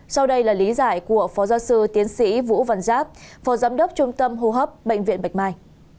sau đây là lý giải của phó giáo sư tiến sĩ vũ văn giáp phó giám đốc trung tâm hô hấp bệnh viện bạch mai